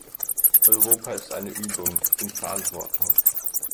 Europa ist eine Übung in Verantwortung.